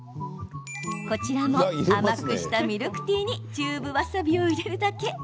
こちらも甘くしたミルクティーにチューブわさびを入れるだけ。